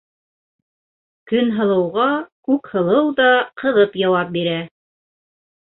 Көнһылыуға Күкһылыу ҙа ҡыҙып яуап бирә: